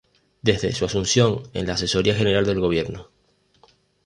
Desde su asunción en la Asesoría General de Gobierno.